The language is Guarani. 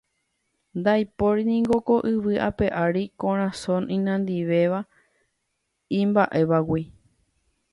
Ndaipóringo ko yvy ape ári korasõ inandivéva imba'évagui